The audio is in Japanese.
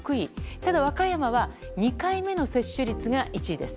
ただ和歌山は２回目の接種率が１位です。